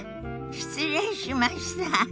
失礼しました。